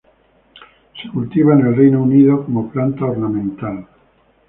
Se cultiva en Reino Unido como planta ornamental.